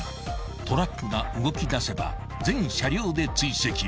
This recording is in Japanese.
トラックが動きだせば全車両で追跡］